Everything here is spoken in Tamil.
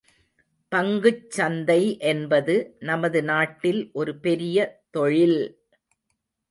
பங்குச் சந்தை என்பது நமது நாட்டில் ஒரு பெரிய தொழில்!